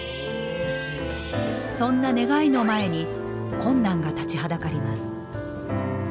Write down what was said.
そんな願いの前に困難が立ちはだかります。